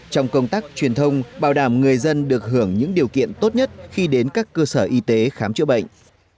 trong công tác truyền thông bảo đảm người dân được hưởng những điều kiện tốt nhất khi đến các cơ sở y tế khám chữa bệnh